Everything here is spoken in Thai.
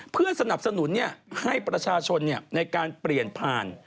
เพื่อสนับสนุนให้ประชาชนในการเปลี่ยนผ่าน